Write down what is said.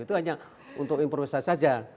itu hanya untuk improvisasi saja